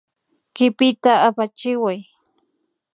Kipita apachiway